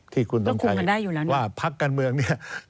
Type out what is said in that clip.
ที่คุณต้องการว่าพักการเมืองเนี่ย